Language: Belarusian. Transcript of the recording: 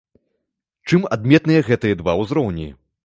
Чым адметныя гэтыя два ўзроўні?